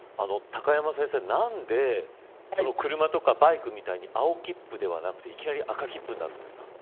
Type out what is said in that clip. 高山先生、何で車とかバイクみたいに青切符ではなくて、いきなり赤切符になるんですか。